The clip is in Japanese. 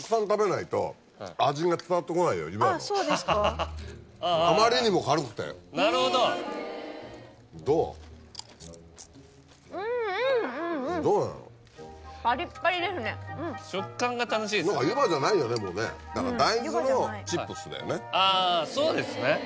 食感が楽しいですよね。